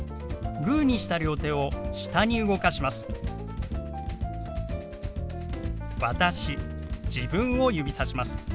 グーにした両手を下に動かします。